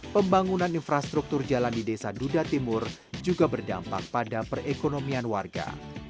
pembangunan infrastruktur jalan di desa duda timur juga berdampak pada perekonomian warga